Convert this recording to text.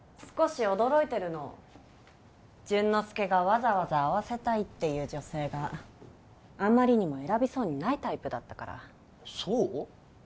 少し驚いてるの潤之介がわざわざ会わせたいっていう女性があまりにも選びそうにないタイプだったからそう？